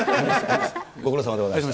ご苦労さまでございました。